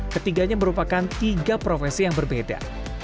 ketiganya merupakan tiga profesi yang berbeda